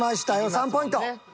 ３ポイント。